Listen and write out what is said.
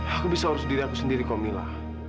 aku bisa urus diri aku sendiri kok mila